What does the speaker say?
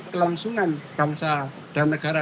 kelangsungan bangsa dan negara